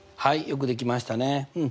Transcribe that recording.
よくできましたね。